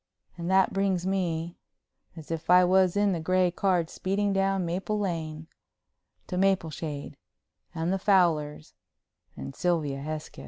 And that brings me—as if I was in the gray car speeding down Maple Lane—to Mapleshade and the Fowlers and Sylvia Hesketh.